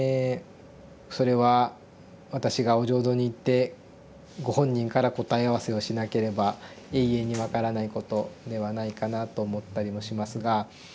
それは私がお浄土に行ってご本人から答え合わせをしなければ永遠に分からないことではないかなと思ったりもしますが。